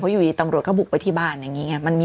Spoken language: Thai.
อยู่ดีตำรวจก็บุกไปที่บ้านอย่างนี้ไง